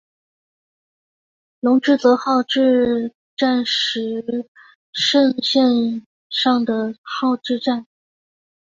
泷之泽号志站石胜线上的号志站。